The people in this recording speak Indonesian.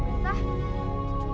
bapak kau jalan dulu ya